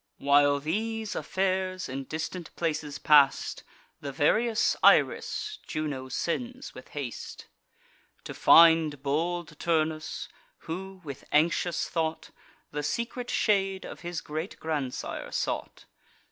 While these affairs in distant places pass'd, The various Iris Juno sends with haste, To find bold Turnus, who, with anxious thought, The secret shade of his great grandsire sought.